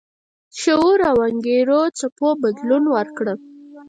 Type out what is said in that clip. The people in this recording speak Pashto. شعور او انګیزو څپو بدلون ورکړ.